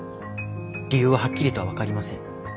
理由ははっきりとは分かりません。